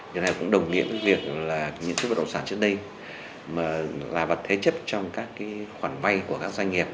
điều này cũng đồng nghĩa với việc những bất động sản trước đây là bất thế chấp trong các khoản vay của các doanh nghiệp